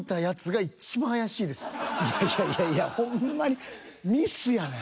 いやいやいやいやほんまにミスやねん。